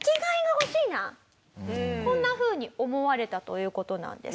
こんなふうに思われたという事なんです。